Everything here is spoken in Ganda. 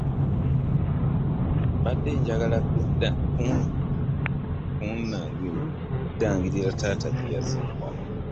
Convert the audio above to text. Mbadde njagala kundagirira taata gye yazimba.